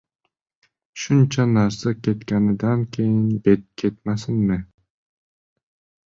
Shuncha narsa ketganidan keyin bet ketmasinmi?